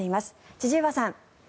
千々岩さん。